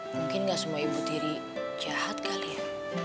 mungkin gak semua ibu tiri jahat kali ya